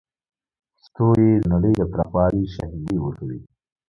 ستوري د نړۍ د پراخوالي شاهدي ورکوي.